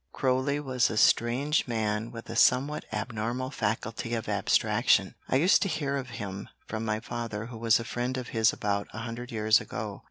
Croly was a strange man with a somewhat abnormal faculty of abstraction. I used to hear of him from my father who was a friend of his about a hundred years ago.